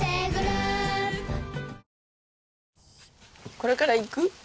これから行く？